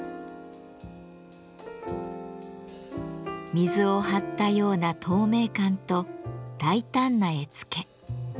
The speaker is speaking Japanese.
水を張ったような透明感と大胆な絵付け。